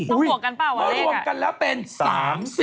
ต้องบวกกันป่ะวะเอกะต้องบวกกันแล้วเป็นสามสิบ